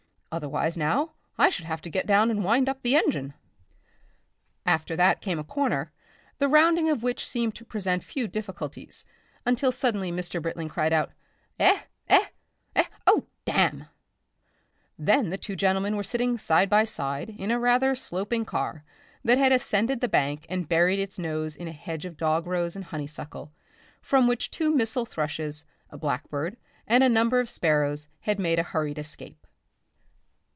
Otherwise now I should have to get down and wind up the engine." After that came a corner, the rounding of which seemed to present few difficulties until suddenly Mr. Britling cried out, "Eh! eh! EH! Oh, damn!" Then the two gentlemen were sitting side by side in a rather sloping car that had ascended the bank and buried its nose in a hedge of dog rose and honeysuckle, from which two missel thrushes, a blackbird and a number of sparrows had made a hurried escape....